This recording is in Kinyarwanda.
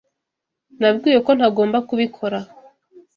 Nabwiwe ko ntagomba kubikora.